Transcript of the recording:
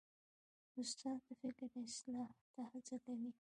استاد د فکر اصلاح ته هڅه کوي.